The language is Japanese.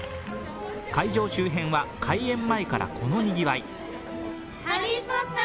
会場周辺は、開演前からこのにぎわい。